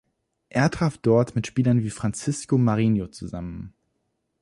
Er traf dort mit Spielern wie Francisco Marinho zusammen.